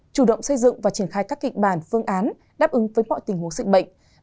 chủ động xây dựng và triển khai các kịch bản phương án đáp ứng với mọi tình huống dịch bệnh